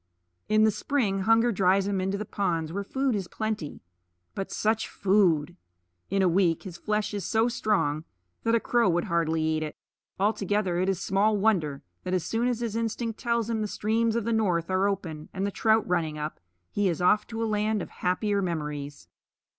In the spring hunger drives him into the ponds where food is plenty but such food! In a week his flesh is so strong that a crow would hardly eat it. Altogether, it is small wonder that as soon as his instinct tells him the streams of the North are open and the trout running up, he is off to a land of happier memories.